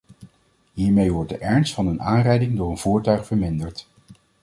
Hiermee wordt de ernst van een aanrijding door een voertuig verminderd.